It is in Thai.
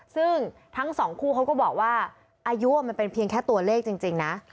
ซึ่งทั้งสองคู่เขาก็บอกว่าอายุมันเป็นเพียงแค่ตัวเลขจริงนะ